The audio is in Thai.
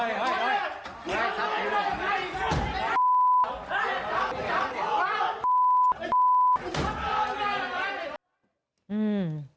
ยังไง